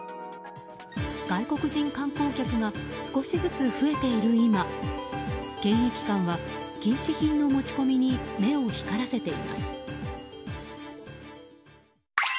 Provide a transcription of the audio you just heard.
外国人観光客が少しずつ増えている今検疫官は禁止品の持ち込みに目を光らせています。